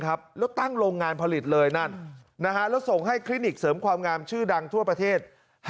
แล้วตั้งโรงงานผลิตเลยนั่นแล้วส่งให้คลินิกเสริมความงามชื่อดังทั่วประเทศ